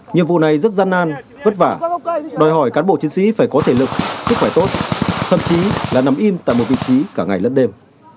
nhiệm vụ này rất gian nan vất vả đòi hỏi cán bộ chiến sĩ phải có thể lực sức khỏe tốt thậm chí là nằm im tại một vị trí cả ngày lẫn đêm